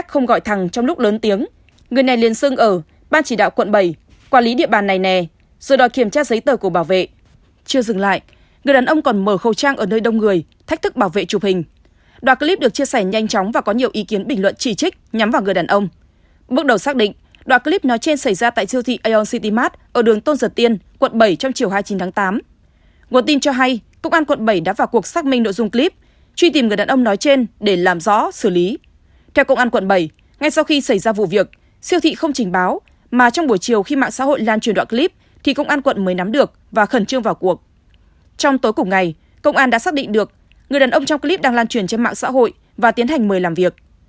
trong tối cùng ngày công an đã xác định được người đàn ông trong clip đang lan truyền trên mạng xã hội và tiến hành mời làm việc